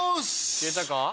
消えたか？